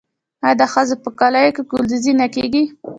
آیا د ښځو په کالیو کې ګلدوزي نه کیږي؟